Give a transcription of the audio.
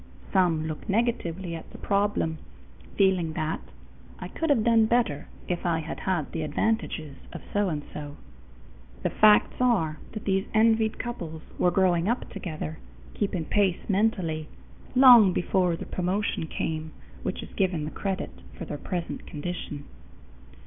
Some look negatively at the problem, feeling that "I could have done better if I had had the advantages of so and so." The facts are that these envied couples were growing up together, keeping pace mentally, long before the promotion came which is given the credit for their present condition.